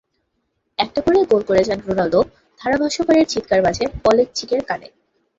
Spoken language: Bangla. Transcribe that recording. একটা করে গোল করে যান রোনালদো, ধারাভাষ্যকারের চিৎকার বাজে পলেকজিকের কানে।